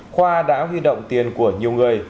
khoa đã huy động tiền của nhiều người